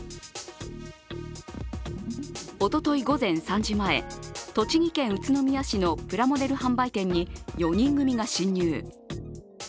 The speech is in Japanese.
おととい午前３時前、栃木県宇都宮市のプラモデル販売店に４人組が侵入。